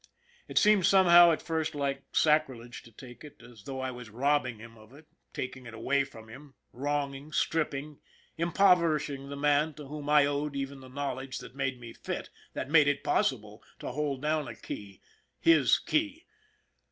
It seemed somehow at first like sacri lege to take it as though I was robbing him of it, taking it away from him, wronging, stripping, im poverishing the man to whom I owed even the knowl edge that made me fit, that made it possible, to hold down a key his key.